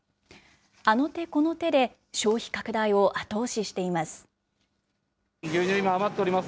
あの手この手で消費拡大を後押ししています。